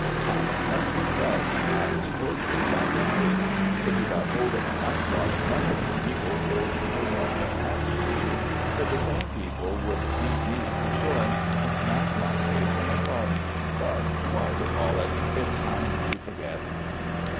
And I must confess, I was tortured by envy. If you got hold of a nice lot of money, people would take off their hats to you: but the same people would beat me for shillings and smack my face in the club. But why recall it? It's time to forget."